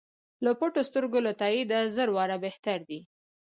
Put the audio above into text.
له پټو سترګو له تاییده زر واره بهتر دی.